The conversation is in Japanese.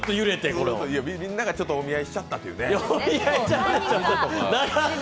みんながちょっとお見合いしちゃったというね。